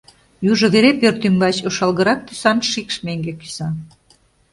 Южо вере пӧрт ӱмбач ошалгырак тӱсан шикш меҥге кӱза.